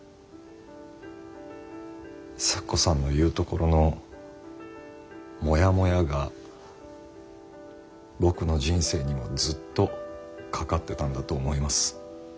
咲子さんの言うところのモヤモヤが僕の人生にもずっとかかってたんだと思います。